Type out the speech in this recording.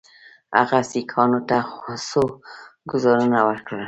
هغه سیکهانو ته څو ګوزارونه ورکړل.